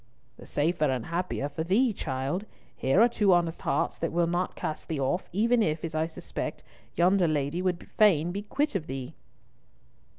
"The safer and the happier for thee, child. Here are two honest hearts that will not cast thee off, even if, as I suspect, yonder lady would fain be quit of thee."